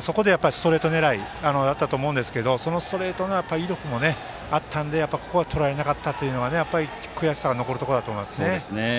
そこでストレート狙いだったと思うんですけどそのストレートも威力があったのでここがとらえられなかったのは悔しさが残ると思います。